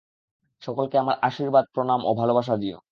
সকলকে আমার আশীর্বাদ, প্রণাম ও ভালবাসা দিও।